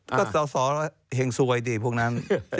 ก็สอสอเห็งสวยดิพวกนั้น